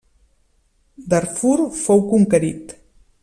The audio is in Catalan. Darfur fou conquerit.